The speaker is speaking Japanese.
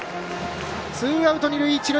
ツーアウト、二塁一塁。